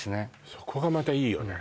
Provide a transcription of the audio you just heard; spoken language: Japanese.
そこがまたいいよね